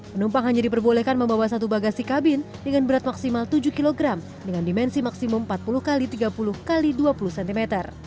penumpang hanya diperbolehkan membawa satu bagasi kabin dengan berat maksimal tujuh kg dengan dimensi maksimum empat puluh x tiga puluh x dua puluh cm